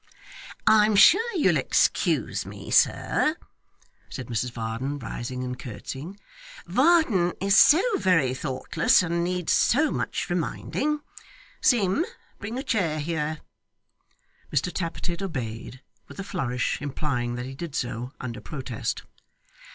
'I'm sure you'll excuse me, sir,' said Mrs Varden, rising and curtseying. 'Varden is so very thoughtless, and needs so much reminding Sim, bring a chair here.' Mr Tappertit obeyed, with a flourish implying that he did so, under protest.